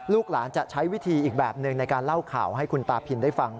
หลานจะใช้วิธีอีกแบบหนึ่งในการเล่าข่าวให้คุณตาพินได้ฟัง